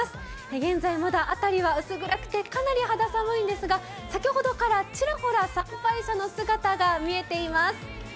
現在まだ辺りは薄暗くて、かなり肌寒いんですか、先ほどからちらほら参拝者の姿が見えています。